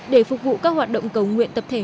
để phục vụ các hoạt động cầu nguyện tập thể